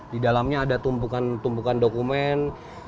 di dalamnya ada tumpukan tumpukan dokumen